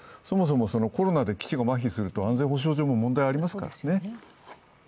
そもそもコロナで基地がまひすると安全保障上も問題がありますからね。